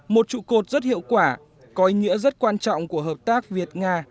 một trụ cột rất hiệu quả có ý nghĩa rất quan trọng của hợp tác việt nga